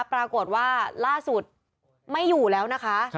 ปรากฏว่าล่าสุดไม่อยู่แล้วนะคะ